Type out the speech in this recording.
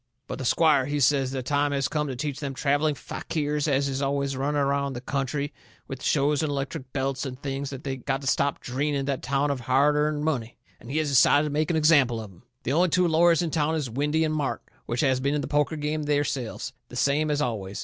But, the squire, he says the time has come to teach them travelling fakirs as is always running around the country with shows and electric belts and things that they got to stop dreening that town of hard earned money, and he has decided to make an example of 'em. The only two lawyers in town is Windy and Mart, which has been in the poker game theirselves, the same as always.